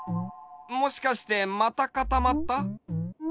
もしかしてまたかたまった？